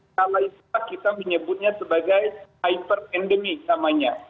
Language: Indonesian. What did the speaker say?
kalau kita menyebutnya sebagai hyper endemik namanya